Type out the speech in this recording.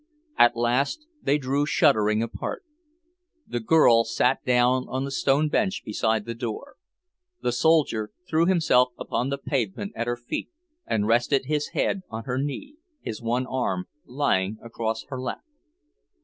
At last they drew shuddering apart. The girl sat down on the stone bench beside the door. The soldier threw himself upon the pavement at her feet, and rested his head on her knee, his one arm lying across her lap.